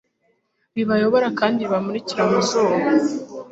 ribayobora kandi ribamurikire mu buzima